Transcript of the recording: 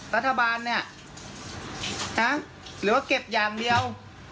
รัฐบาลเนี่ยนะหรือว่าเก็บอย่างเดียว